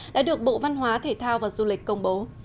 đã được bộ văn hóa thể thao và du lịch công bố